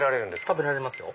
食べられますよ。